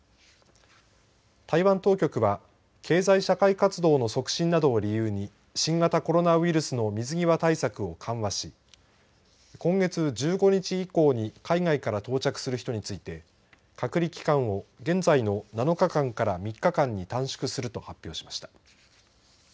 台湾当局は経済社会活動の促進などを理由に新型コロナウイルスの水際対策を緩和し今月１５日以降に海外から到着する人について隔離期間を現在の７日間から３日間に短縮すると発表しました。